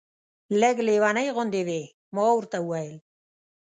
لږ لېونۍ غوندې وې. ما ورته وویل.